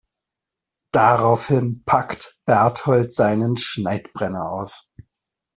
Daraufhin packt Bertold seinen Schneidbrenner aus.